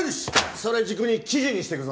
それ軸に記事にしてくぞ。